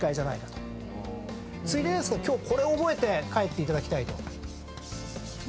ついでですが今日これを覚えて帰っていただきたいと。